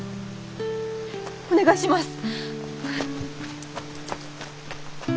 お願いします！